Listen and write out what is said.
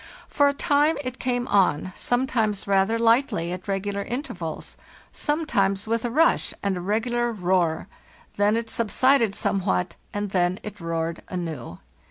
For a time it came on, sometimes rather lightly, at regular inter vals; sometimes with a rush and a regular roar; then it subsided somewhat, and then it roared anew.